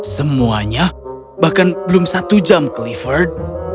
semuanya bahkan belum satu jam ke clifford